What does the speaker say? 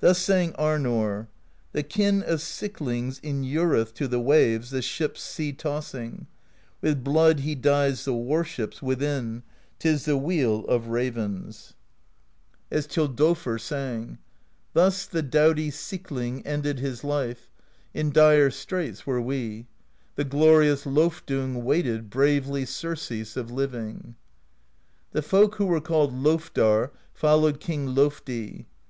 Thus sang Arnorr: The Kin of Siklings inureth To the waves the ships sea tossing; With blood he dyes the warships Within : 't is the weal of ravens. 232 PROSE EDDA As Thjodolfr sang: Thus the doughty SikHng ended His life; in dire straits were we: The glorious Lofdung waited Bravely surcease of living. The folk who were called Lofdar followed King Lofdi.